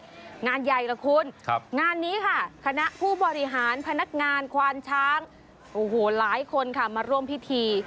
ทำงานใหญ่ละคุณงานนี้คณะผู้บริหารพนักงานขวัญช้างหลายคนมาร่วมพิธี